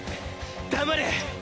黙れ！